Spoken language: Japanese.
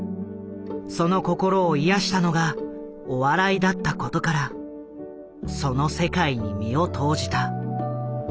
その心を癒やしたのがお笑いだったことからその世界に身を投じた。